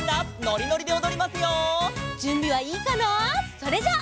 それじゃあ。